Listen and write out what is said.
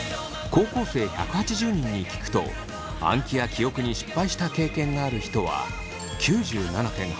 高校生１８０人に聞くと暗記や記憶に失敗した経験がある人は９７．８％。